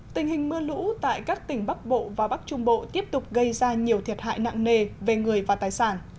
tình hình mưa lũ tại các tỉnh bắc bộ và bắc trung bộ tiếp tục gây ra nhiều thiệt hại nặng nề về người và tài sản